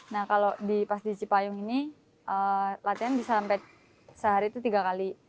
nah kalau pas di cipayung ini latihan bisa sampai sehari itu tiga kali